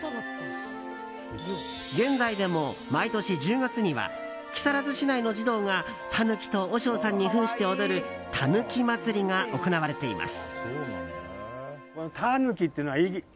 現在でも、毎年１０月には木更津市内の児童がタヌキと和尚さんに扮して踊る狸まつりが行われています。